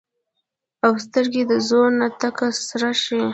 او سترګه د زور نه تکه سره شي